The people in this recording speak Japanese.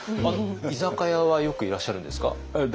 居酒屋はよくいらっしゃるんですか？